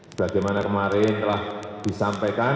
sebagaimana kemarin telah disampaikan